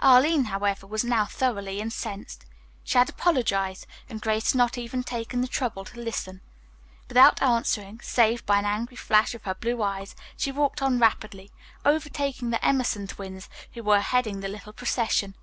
Arline, however, was now thoroughly incensed. She had apologized, and Grace had not even taken the trouble to listen. Without answering, save by an angry flash of her blue eyes, she walked on rapidly, overtaking the Emerson twins, who were heading the little procession.